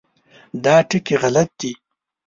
دا ټکي غلط دي.